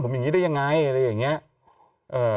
ผมอย่างนี้ได้ยังไงอะไรอย่างเงี้ยเอ่อ